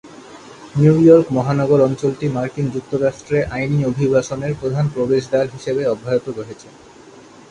New York মহানগর অঞ্চলটি মার্কিন যুক্তরাষ্ট্রে আইনি অভিবাসনের প্রধান প্রবেশদ্বার হিসাবে অব্যাহত রয়েছে।